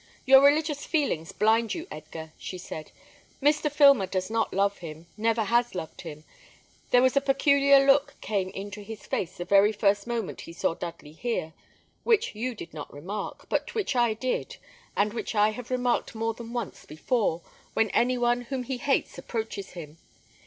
"Your religious feelings blind you, Edgar," she said. "Mr. Filmer does not love him: never has loved him. There was a peculiar look came into his face the very first moment he saw Dudley here, which you did not remark, but which I did, and which I have remarked more than once before, when any one whom he hates approaches him.